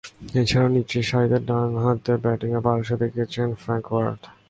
এছাড়াও, নিচেরসারিতে ডানহাতে ব্যাটিংয়ে পারদর্শীতা দেখিয়েছেন ফ্রাঙ্ক ওয়ার্ড।